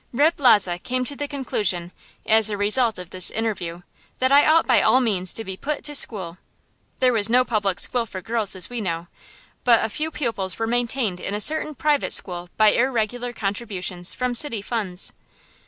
Reb' Lozhe came to the conclusion, as a result of this interview, that I ought by all means to be put to school. There was no public school for girls, as we know, but a few pupils were maintained in a certain private school by irregular contributions from city funds.